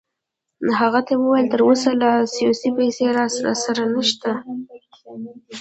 هغه ته مې وویل: تراوسه لا سویسی پیسې راسره نشته.